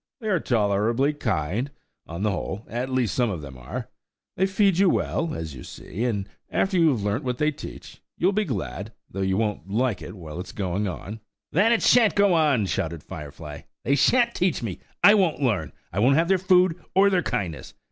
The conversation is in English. They are tolerably kind, on the whole; at least, some of them are. They feed you well, as you see; and after you have learnt what they teach, you will be glad, though you won't like it while it's going on." "Then it shan't go on!" shouted Firefly. "They shan't teach me! I won't learn! I won't have their food, or their kindness!